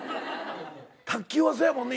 卓球はそうやもんね。